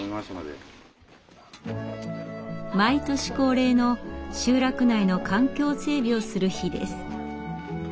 毎年恒例の集落内の環境整備をする日です。